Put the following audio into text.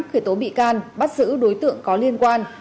khởi tố bị can bắt giữ đối tượng có liên quan